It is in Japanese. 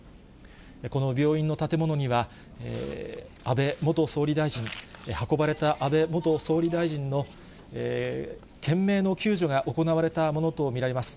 この病院の建物には、安倍元総理大臣、運ばれた安倍元総理大臣の、懸命の救助が行われたものと見られます。